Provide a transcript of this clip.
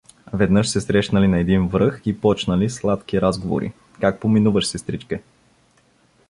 Веднъж се срещнали на един връх и почнали сладки разговори: — Как поминуваш, сестричке?